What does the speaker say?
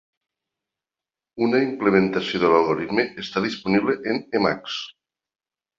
Una implementació de l'algoritme està disponible en Emacs.